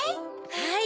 はい！